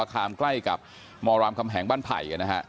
บ้านไผ่มหาสระคามใกล้กับมรามคำแหงบ้านไผ่อ่ะนะฮะ